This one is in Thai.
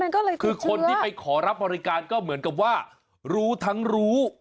คือคนที่ไปขอรับบริการก็เหมือนกับว่ารู้ทั้งรู้